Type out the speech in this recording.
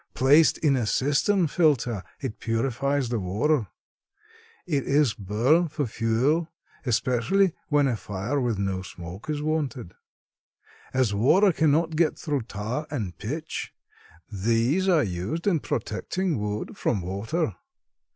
Placed in a cistern filter it purifies the water. It is burned for fuel, especially when a fire with no smoke is wanted. "As water cannot get through tar and pitch, these are used in protecting wood from water.